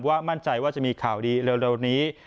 มั่นใจว่าจะมีข่าวดีเร็วนี้